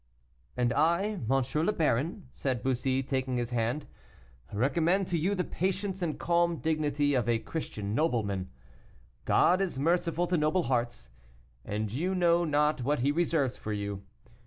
"And I, M. le Baron," said Bussy, taking his hand, "recommend to you the patience and calm dignity of a Christian nobleman. God is merciful to noble hearts, and you know not what He reserves for you.